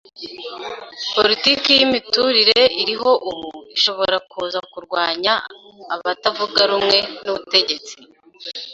Politiki yimiturire iriho ubu ishobora kuza kurwanya abatavuga rumwe n’ubutegetsi.